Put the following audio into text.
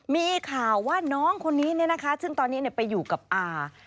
มีข่าวว่าน้องคนนี้ซึ่งตอนนี้ไปอยู่กับอา